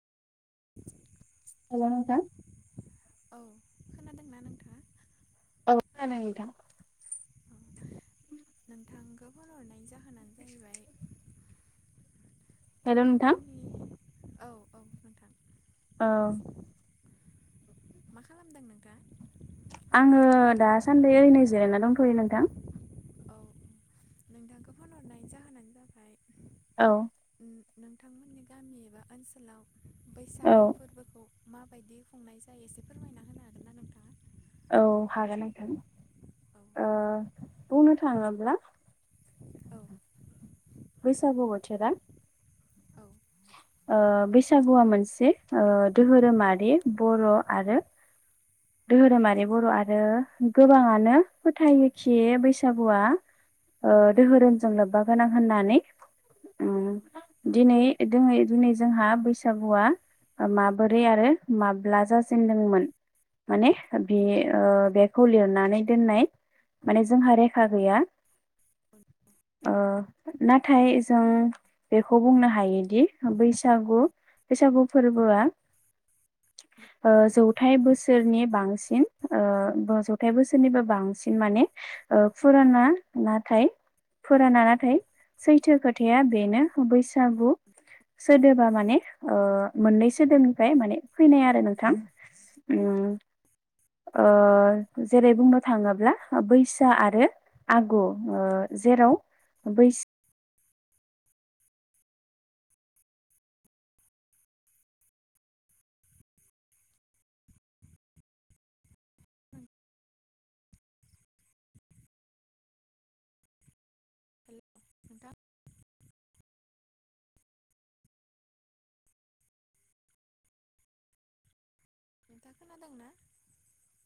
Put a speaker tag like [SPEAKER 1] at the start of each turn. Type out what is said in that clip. [SPEAKER 1] [inaudible]
[SPEAKER 2] हेल' नोंथां।
[SPEAKER 1] औ खोनादोंना नोंथाङा?
[SPEAKER 2] औ खोनादों नोंथां।
[SPEAKER 1] औ नोंथांखौ फन हरनायनि जाहोनानो जाहैबाय
[SPEAKER 2] हेल' नोंथां
[SPEAKER 1] नोंथांमोननि औ औ नोंथां।
[SPEAKER 2] औ
[SPEAKER 1] मा खालामदों नोंथां?
[SPEAKER 2] आङो दासान्दि ओरैनोै जिरायना दंथ'यो नोंथां।
[SPEAKER 1] औ नोंथांखौ फन हरनाय जाहोनानो जाबाय
[SPEAKER 2] औ
[SPEAKER 1] नोंथांमोननि गामि एबा ओनसोलाव
[SPEAKER 2] औ
[SPEAKER 1] बैसागु फोरबोखौ माबायदि खुंनाय जायो एसे फोरमायना होनो हागोन ना नोंथाङा?
[SPEAKER 2] औ हागोन नोंथां।
[SPEAKER 1] औ
[SPEAKER 2] ओ बुंनो थाङोब्ला
[SPEAKER 1] औ
[SPEAKER 2] बेैसागु बोथोरा
[SPEAKER 1] औ
[SPEAKER 2] ओ बैसागुआ मोनसे ओ
[SPEAKER 1] औ
[SPEAKER 2] दोहोरोमारि बर' आरो
[SPEAKER 1] औ औ
[SPEAKER 2] दोहोरोमारि बर' आरो गोबाङानो फोथायोखि बैसागुआ ओ
[SPEAKER 1] औ
[SPEAKER 2] दोहोरोमजों
[SPEAKER 1] नंगौ
[SPEAKER 2] लोब्बा गोनां होननानै
[SPEAKER 1] औ
[SPEAKER 2] उम
[SPEAKER 1] नंगौ
[SPEAKER 2] दिनै दोंनै दिनै जोंहा बैसागुआ माबोरै आरो माब्ला जाजेनदोंमोन माने बे ओ बेखौ लिरनानै दोननाय माने जोंहा रेखा गैया।
[SPEAKER 1] औ
[SPEAKER 2] ओ नाथाय जों बेखौ बुंनो हायोदि बैसागु बैसागु फोरबोआ ओ जौथाइ बोसो सोरनि बांसिन ओ जथाइ बोसोरनिबो बांसिन माने ओ फुराना नाथाय फुराना नाथाय सैथो खोथाया बेनो बैसागु सोदोबा माने ओ मोननै सोदोबनिफ्राय माने फैनाय आरो नोंथां उम
[SPEAKER 1] [unintelligible]
[SPEAKER 2] ओ जेरै बुंनो थाङोब्ला बैसा आरो आगु ओ जेराव बैसा
[SPEAKER 1] [unintelligible] नोंथाङा खोनादोंना